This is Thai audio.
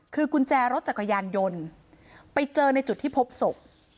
คือกุญแจรถจักรยานยนต์ไปเจอในจุดที่พบศพ